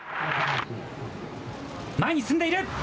前に進んでいる。